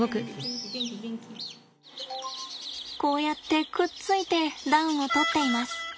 こうやってくっついて暖をとっています。